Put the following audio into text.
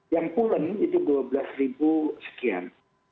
yang pulen itu rp dua belas sekian